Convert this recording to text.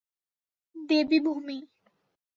দেবী ভূমি।